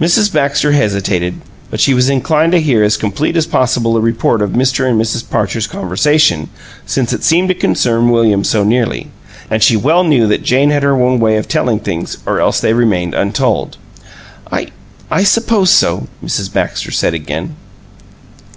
Mrs. Baxter hesitated, but she was inclined to hear as complete as possible a report of Mr. and Mrs. Parcher's conversation, since it seemed to concern William so nearly; and she well knew that Jane had her own way of telling things or else they remained untold. "I I suppose so," Mrs. Baxter said, again.